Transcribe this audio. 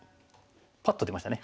パッと出ましたね。